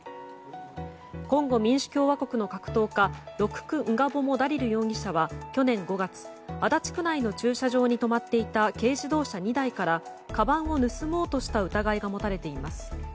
コンゴ民主共和国の格闘家ロクク・ンガボモ・ダリル容疑者は去年５月、足立区内の駐車場にとまっていた軽自動車２台からかばんを盗もうとした疑いが持たれています。